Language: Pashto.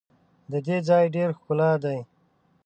د دې ځای ډېر ښکلا دي.